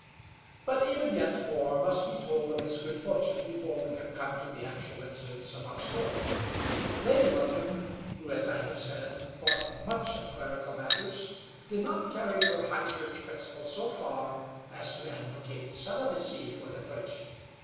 But even yet more must be told of his good fortune before we can come to the actual incidents of our story. Lady Lufton, who, as I have said, thought much of clerical matters, did not carry her High Church principles so far as to advocate celibacy for the clergy.